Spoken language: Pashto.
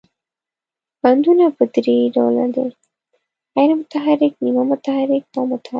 بندونه په درې ډوله دي، غیر متحرک، نیمه متحرک او متحرک.